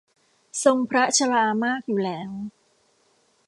ทรงพระชรามากอยู่แล้ว